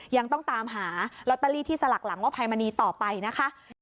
ยังต้องตามหาลอตเตอรี่ที่สลักหลังว่าภัยมณีต่อไปนะคะ